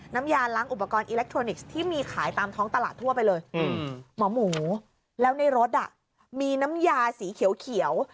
น้ำมันที่มีขายตามท้องตลาดทั่วไปเลยหมอหมี้แล้วในรถดะมีน้ำยาสีเขียวเคี่ยว